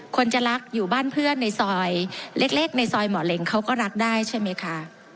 คนจะรักอยู่บ้านเพื่อนในซอยเล็กในซอยหมอเล็งเขาก็รักได้ใช่ไหมคะ